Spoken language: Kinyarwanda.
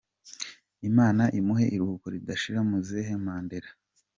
Imana imuhe iruhuko ridashira Muzehe Mandela.